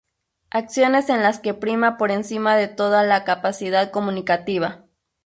Acciones en las que prima por encima de todo la capacidad comunicativa.